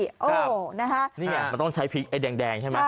ครับโอ้โหนะฮะนี่ไงเขาต้องใช้พริกไอ้แดงแดงใช่ไหมใช่